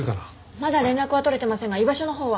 まだ連絡は取れてませんが居場所のほうは。